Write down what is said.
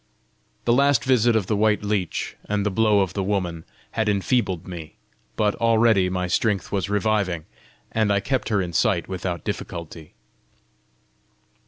The last visit of the white leech, and the blow of the woman, had enfeebled me, but already my strength was reviving, and I kept her in sight without difficulty.